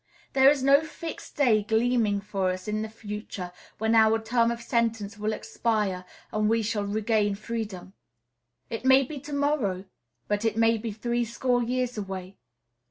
There is no fixed day gleaming for us in the future when our term of sentence will expire and we shall regain freedom. It may be to morrow; but it may be threescore years away.